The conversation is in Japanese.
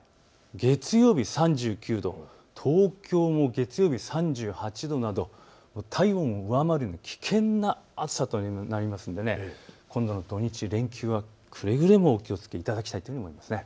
月曜日３９度、東京も月曜日３８度など体温を上回るような危険な暑さとなりますので今度の土日、連休はくれぐれもお気をつけいただきたいと思います。